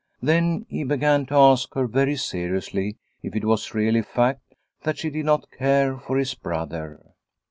Then he began to ask her very seriously if it was really a fact that she did not care for his brother.